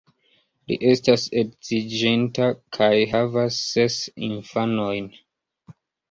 Li estas edziĝinta kaj havas ses infanojn.